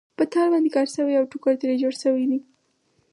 په تار باندې کار شوی او ټوکر ترې جوړ شوی دی.